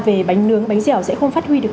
về bánh nướng bánh dẻo sẽ không phát huy được